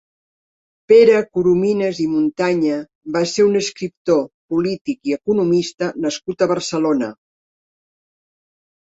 Pere Coromines i Montanya va ser un escriptor, polític i economista nascut a Barcelona.